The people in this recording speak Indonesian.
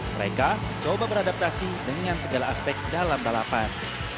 mereka coba beradaptasi dengan segala aspek dalam balapan